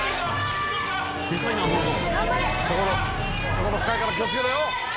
懐深いから気をつけろよ！